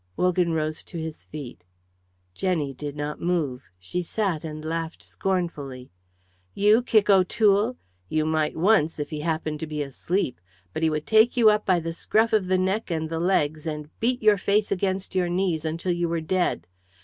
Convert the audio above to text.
Wogan rose to his feet. Jenny did not move; she sat and laughed scornfully. "You kick O'Toole! You might once, if he happened to be asleep. But he would take you up by the scruff of the neck and the legs and beat your face against your knees until you were dead.